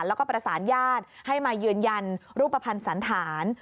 แล้วก็ประสานญาติให้มายืนยันรูปภัณฑ์สันฐาน